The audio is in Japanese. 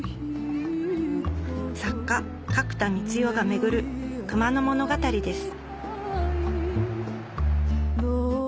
作家角田光代が巡る熊野物語です